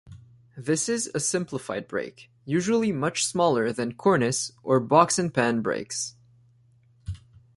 This is a simplified brake, usually much smaller than cornice or box-and-pan brakes.